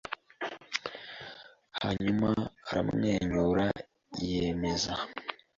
hanyuma aramwenyura, yemeza